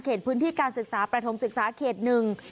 พื้นที่การศึกษาประถมศึกษาเขตหนึ่ง